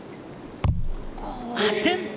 ８点。